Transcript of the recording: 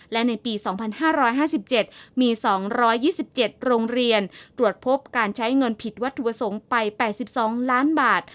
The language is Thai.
และในปี๒๕๕๗มี๒๒๗โรงเรียนตรวจพบการใช้เงินผิดวัตถุประสงค์ไป๘๒ล้านบาท